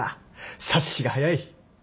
察しが早い。